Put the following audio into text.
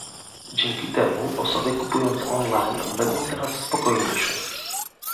Dzięki temu osoby kupujące on-line będą teraz spokojniejsze